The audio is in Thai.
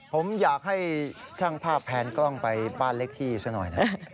ผมอยากให้ช่างภาพแพนกล้องไปบ้านเล็กที่ซะหน่อยนะ